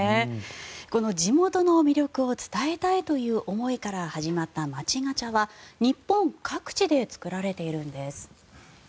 この地元の魅力を伝えたいという思いから始まった街ガチャは日本各地で作られているんです。